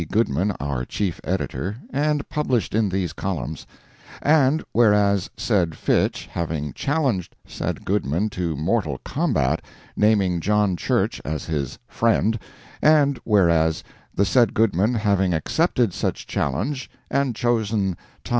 Goodman, our chief editor, and published in these columns; and whereas said Fitch having challenged said Goodman to mortal combat, naming John Church as his "friend;" and whereas the said Goodman having accepted said challenge, and chosen Thos.